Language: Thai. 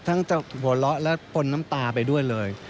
ทั้งจะโหละและปนน้ำตาไปด้วยเลย